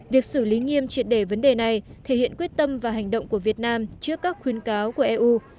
việc xử lý nghiêm triệt đề vấn đề này thể hiện quyết tâm và hành động của việt nam trước các khuyến cáo của eu